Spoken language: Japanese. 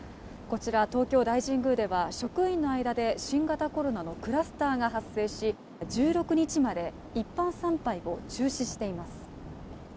こちら東京大神宮では職員の間で新型コロナのクラスターが発生し１６日まで、一般参拝を中止しています。